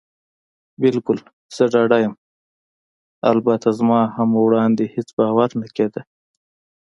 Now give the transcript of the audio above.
بلکل، زه ډاډه یم. البته زما هم وړاندې هېڅ باور نه کېده.